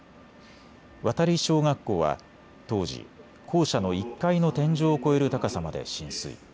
渡小学校は当時、校舎の１階の天井を超える高さまで浸水。